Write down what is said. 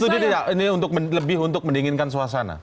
tapi anda setuju tidak ini lebih untuk mendinginkan suasana